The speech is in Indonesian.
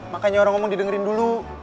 makanya orang ngomong didengin dulu